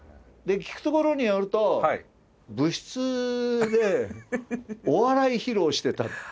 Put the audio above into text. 聞くところによると部室でお笑い披露してたっていう。